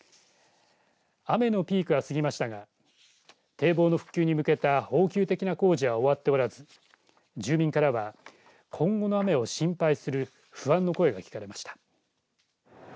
雨のピークは過ぎましたが堤防の復旧に向けた応急的な工事は終わっておらず住民からは、今後の雨を心配する不安の声が聞かれました。